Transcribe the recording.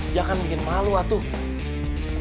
dia kan bikin malu atuh